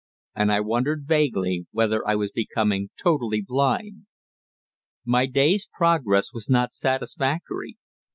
And I wondered vaguely whether I was becoming totally blind. My day's progress was not satisfactory.